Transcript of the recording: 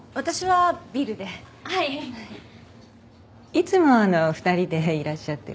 いつも２人でいらっしゃってるの？